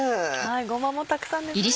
ごまもたくさんですね。